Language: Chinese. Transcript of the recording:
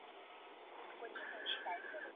不漏水较理想。